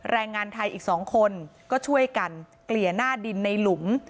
แรงงานไทยอีก๒คนก็ช่วยกันเกลี่ยหน้าดินในหลุม